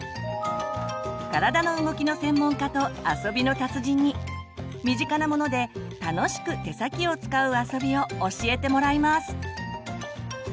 体の動きの専門家と遊びの達人に身近なもので楽しく手先を使う遊びを教えてもらいます！